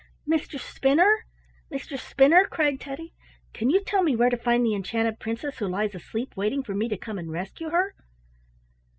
"Mistress Spinner! Mistress Spinner!" cried Teddy. "Can you tell me where to find the enchanted princess who lies asleep waiting for me to come and rescue her?"